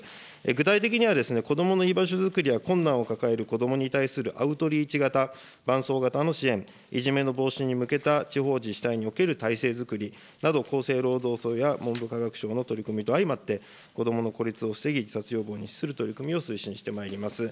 具体的には、子どもの居場所作りや困難を抱える子どもに対するアウトリーチ型、伴走型の支援、いじめの防止に向けた地方自治体における体制づくりなど、厚生労働省や文部科学省の取り組みと相まって、子どもの孤立を防ぎ、自殺予防にしする取り組みを推進してまいります。